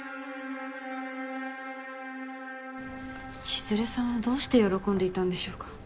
千弦さんはどうして喜んでいたんでしょうか。